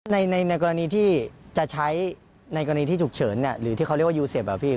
ในกรณีที่จะใช้ในกรณีที่ฉุกเฉินหรือที่เขาเรียกว่ายูเซฟอะพี่